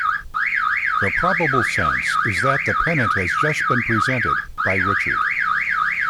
The probable sense is that the pennant has just been presented by Richard.